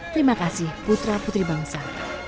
terima kasih putra putri bangsa